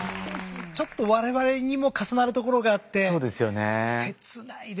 ちょっと我々にも重なるところがあって切ないですね。